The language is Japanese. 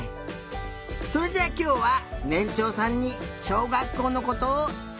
それじゃあきょうはねんちょうさんにしょうがっこうのことをつたえよう！